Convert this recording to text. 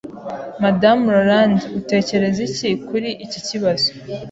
Madamu Roland, utekereza iki kuri iki kibazo?